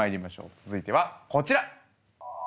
続いてはこちら。